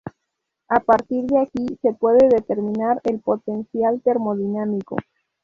A partir de aquí se puede determinar el potencial termodinámico.